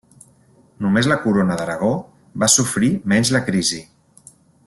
Només la Corona d'Aragó va sofrir menys la crisi.